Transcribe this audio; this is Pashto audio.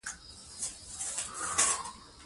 او چي سېل سي د پیل زور نه په رسیږي